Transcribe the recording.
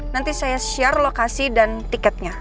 nanti saya share lokasi dan tiketnya